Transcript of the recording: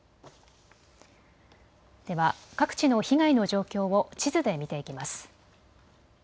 では各地の被害の状況を地図で見ていきます。